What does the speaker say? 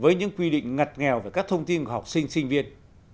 với những quy định ngặt nghèo về các thông tin của học sinh sinh viên